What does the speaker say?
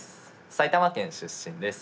埼玉県出身です。